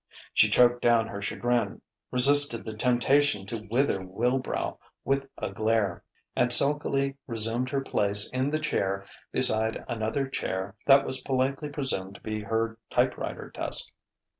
She choked down her chagrin, resisted the temptation to wither Wilbrow with a glare, and sulkily resumed her place in the chair beside another chair that was politely presumed to be her typewriter desk.